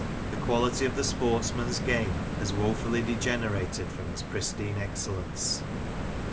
the quality of the sportsman's game has woefully degenerated from its pristine excellence.